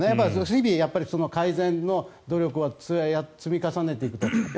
日々、改善の努力は積み重ねていくと。